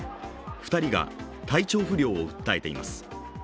２人が体調不良を訴えています。